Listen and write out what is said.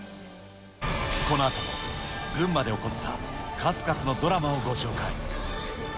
このあとも群馬で起こった数々のドラマをご紹介。